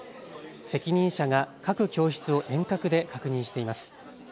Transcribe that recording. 責任者が各教室を遠隔で確認しています。